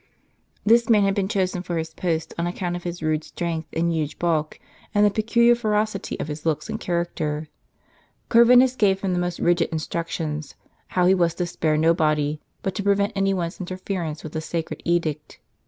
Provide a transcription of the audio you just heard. This man had been chosen for his post on account of his rude strength and huge bulk, and the peculiar ferocity of his looks and character. Corvinus gave him the most rigid instruc tions, how he was to spare nobody, but to prevent any one's interference with the sacred edict.